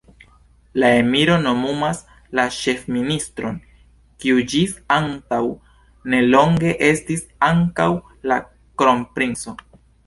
La emiro nomumas la ĉefministron, kiu ĝis antaŭ nelonge estis ankaŭ la kronprinco.